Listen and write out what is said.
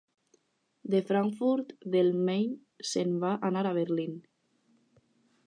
De Frankfurt del Main se'n va anar a Berlín.